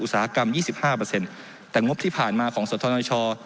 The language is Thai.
อุตสาหกรรม๒๕แต่งบที่ผ่านมาของสธนช